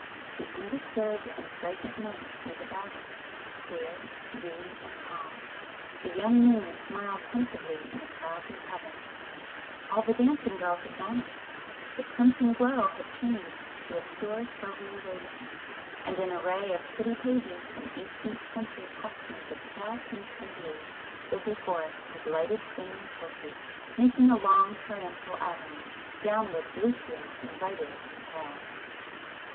—the undisturbed and fragrant night was about us, clear, dewy and calm,—the young moon smiled pensively in a cloudless heaven,—all the dancing girls had vanished,—the crimson glow had changed to a pure silvery radiance, and an array of pretty pages in eighteenth century costumes of pale pink and blue, stood before us with lighted flaming torches, making a long triumphal avenue, down which Lucio invited us to pass.